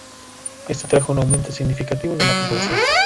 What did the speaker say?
Esto trajo un aumento significativo de la población.